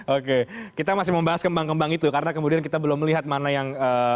oke kita masih membahas kembang kembang itu karena kemudian kita belum melihat mana yang